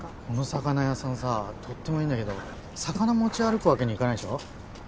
この魚屋さんさとってもいいんだけど魚持ち歩くわけにいかないでしょ